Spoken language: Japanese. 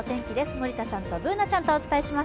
森田さんとＢｏｏｎａちゃんとお伝えします。